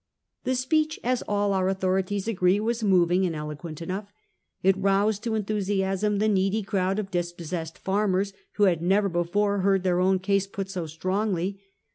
^ The speech, as all our authorities agree, was moving and eloquent enough. It roused to enthusiasm the needy crowd of dispossessed farmers, who had never before heard their own case put so strongly.